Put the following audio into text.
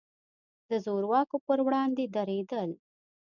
د زور واکو پر وړاندې درېدل.